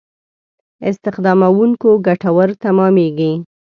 استخداموونکو ګټور تمامېږي.